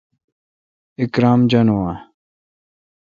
اکرم جانون آں؟